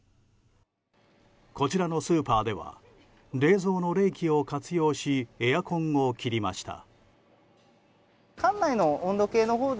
こちらのスーパーでは冷蔵の冷気を活用しエアコンを切りました。